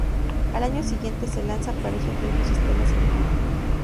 Al año siguiente se lanza para esos mismos sistemas en Europa.